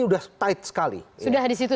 sudah tight sekali sudah di situ